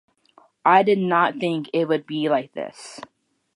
I did not think it would be like this.